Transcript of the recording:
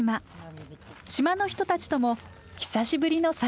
島の人たちとも久しぶりの再会です。